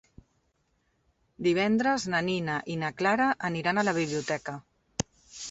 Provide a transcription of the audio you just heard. Divendres na Nina i na Clara aniran a la biblioteca.